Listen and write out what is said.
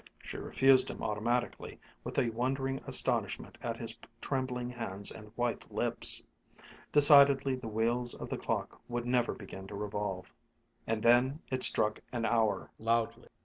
She refused him automatically, with a wondering astonishment at his trembling hands and white lips. Decidedly the wheels of the clock would never begin to revolve. And then it struck an hour, loudly.